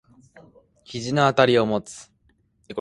肘のあたりを持つ。